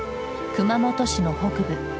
熊本市の北部。